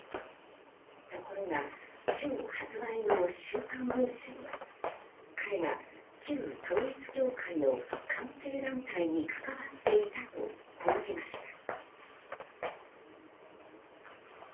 ところが今日発売の「週刊文春」は彼が旧統一教会の関係団体に関わっていたと報じました。